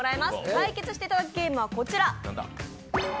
対決していただくゲームはこちら。